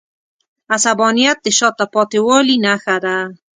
عصبانیت د شاته پاتې والي نښه ده.